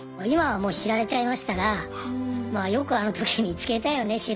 今はもう知られちゃいましたがまぁよくあのとき見つけたよね